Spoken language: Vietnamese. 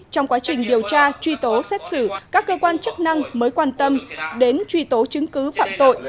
trong quá trình điều tra truy tố xét xử các cơ quan chức năng mới quan tâm đến truy tố chứng cứ phạm tội